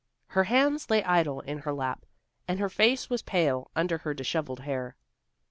Her hands lay idle in her lap, and her face was pale, under her dishevelled hair.